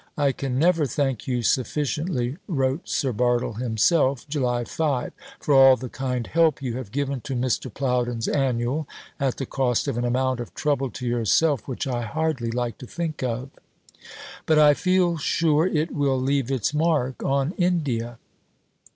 "I can never thank you sufficiently," wrote Sir Bartle himself (July 5), "for all the kind help you have given to Mr. Plowden's Annual, at the cost of an amount of trouble to yourself which I hardly like to think of. But I feel sure it will leave its mark on India."